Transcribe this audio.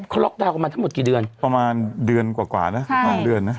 เขาล็อกดาวน์กันมาทั้งหมดกี่เดือนประมาณเดือนกว่านะ๑๒เดือนนะ